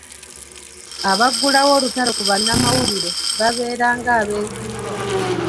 Abaggulawo olutalo ku bannamawulire babeera ng’abeeziise.